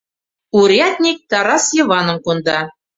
Урядник Тарас Йываным конда.